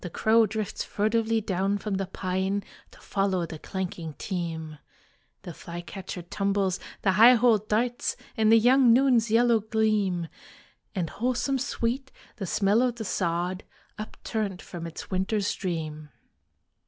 The crow drifts furtively down from the pine To follow the clanking team. The flycatcher tumbles, the high hole darts In the young noon's yellow gleam; And wholesome sweet the smell of the sod Upturned from its winter's dream.